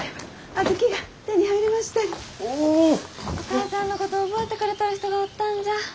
お母さんのこと覚えてくれとる人がおったんじゃ。